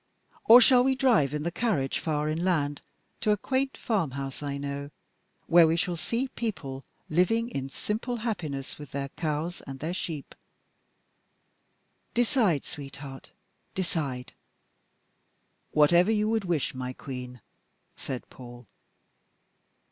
Or shall we drive in the carriage far inland to a quaint farmhouse I know, where we shall see people living in simple happiness with their cows and their sheep? Decide, sweetheart decide!" "Whatever you would wish, my Queen," said Paul.